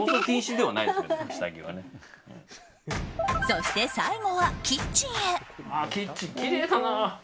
そして最後はキッチンへ。